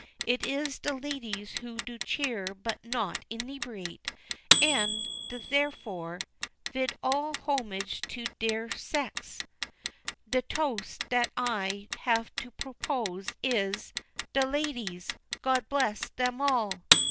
It is de ladies who do cheer but not inebriate; and, derefore, vid all homage to dere sex, de toast dat I have to propose is, 'De Ladies! God bless dem all!'"